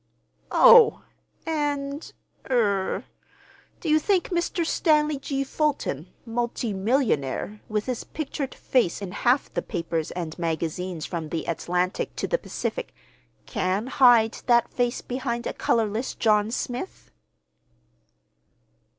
"Oh! And—er—do you think Mr. Stanley G. Fulton, multi millionaire, with his pictured face in half the papers and magazines from the Atlantic to the Pacific, can hide that face behind a colorless John Smith?"